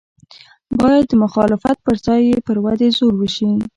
باید د مخالفت پر ځای یې پر ودې زور وشي.